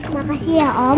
makasih ya om